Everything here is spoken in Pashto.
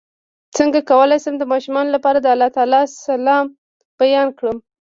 څنګه کولی شم د ماشومانو لپاره د الله تعالی سلام بیان کړم